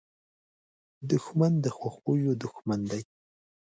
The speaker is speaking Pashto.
دښمن د خوښیو دوښمن دی